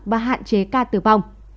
và hạn chế ca tử vong